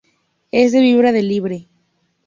Es de vida libre.